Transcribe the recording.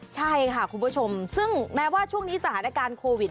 ใช่ค่ะคุณผู้ชมซึ่งแม้ว่าช่วงนี้สถานการณ์โควิด